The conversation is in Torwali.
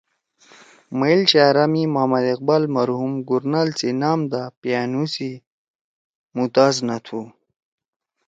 مئیل شاعرا می محمد اقبال مرحوم گورنال سی نام دا پیانُو سی مُتاز نہ تُھو۔